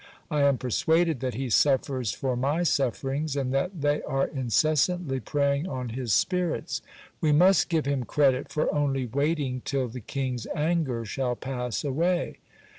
I am persuaded that he suffers for my sufferings, and that they are incessantly preying on his spirits. We must g ve him credit for only waiting till the king's anger shall pass away.